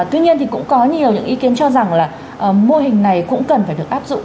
tuy nhiên thì cũng có nhiều những ý kiến cho rằng là mô hình này cũng cần phải được áp dụng